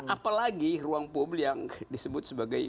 apalagi ruang publik yang disebut sebagai